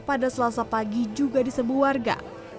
pada selasa pagi juga disebut warga